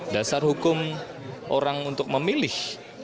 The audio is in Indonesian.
dasar hukum orang untuk memilih